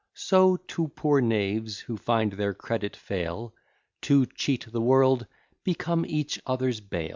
So two poor knaves, who find their credit fail, To cheat the world, become each other's bail.